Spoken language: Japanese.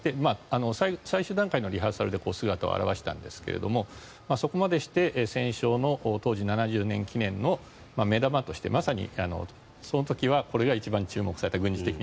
最終段階のリハーサルで姿を現したんですがそこまでして戦勝の当時、７０年記念の目玉としてまさに、その時はこれが一番軍事的には注目された。